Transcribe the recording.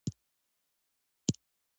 ډېر اسماني غمي به راټول کړم.